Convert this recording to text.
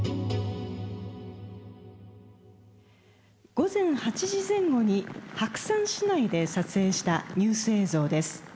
午前８時前後に白山市内で撮影したニュース映像です。